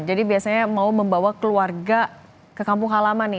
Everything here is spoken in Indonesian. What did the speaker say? jadi biasanya mau membawa keluarga ke kampung halaman nih